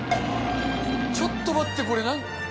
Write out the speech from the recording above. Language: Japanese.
ちょっと待って、これ。